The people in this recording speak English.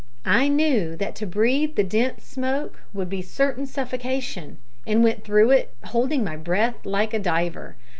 I knew that to breathe the dense smoke would be certain suffocation, and went through it holding my breath like a diver.